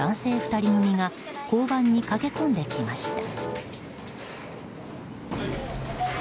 ２人組が交番に駆け込んできました。